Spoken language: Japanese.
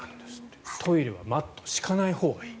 トイレはマットを敷かないほうがいい。